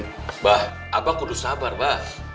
mbah abah kudus sabar mbah